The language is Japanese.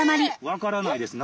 分からないです。